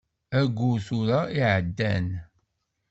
Ayyur tura i iεeddan.